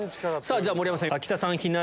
じゃ盛山さん。